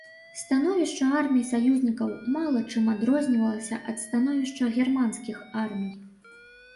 Становішча армій саюзнікаў мала чым адрознівалася ад становішча германскіх армій.